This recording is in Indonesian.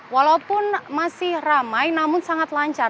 walaupun masih ramai namun sangat lancar